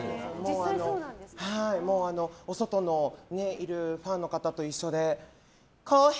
お外にいるファンの方と一緒で康平！